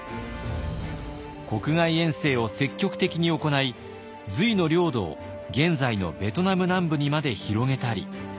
国外遠征を積極的に行い隋の領土を現在のベトナム南部にまで広げたり。